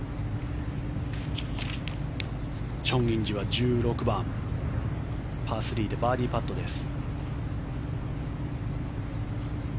チョン・インジは１６番パー３でバーディーパットです。